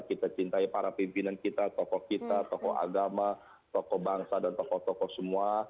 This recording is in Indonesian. kita cintai para pimpinan kita tokoh kita tokoh agama tokoh bangsa dan tokoh tokoh semua